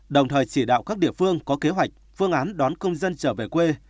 đồng thời chỉ đạo các địa phương có kế hoạch phương án đón công dân trở về quê